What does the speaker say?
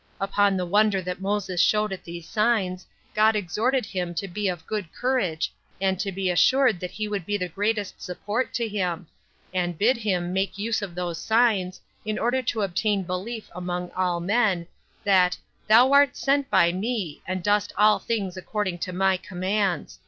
Upon the wonder that Moses showed at these signs, God exhorted him to be of good courage, and to be assured that he would be the greatest support to him; and bid him make use of those signs, in order to obtain belief among all men, that "thou art sent by me, and dost all things according to my commands.